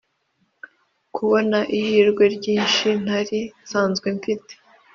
kubona ihirwe ryinshi ntari nsanzwe mfite;